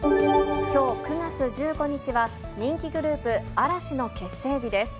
きょう、９月１５日は、人気グループ、嵐の結成日です。